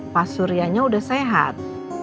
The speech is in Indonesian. pasuryanya udah sehat